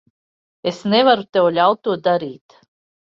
Es nevaru tev ļaut to darīt.